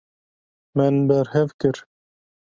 Min berhev kir.